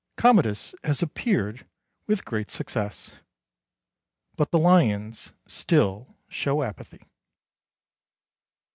Commodus has appeared with great success, but the Lions still show apathy.